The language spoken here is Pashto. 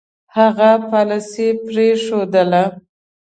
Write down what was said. هغه پالیسي پرېښودله.